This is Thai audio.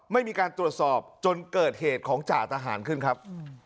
ไม่มีการตรวจสอบจนเกิดเหตุของจ่าทหารขึ้นครับ